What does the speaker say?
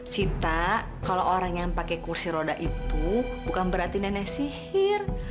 sita kalo orang yang pake kursi roda itu bukan berarti nenek sihir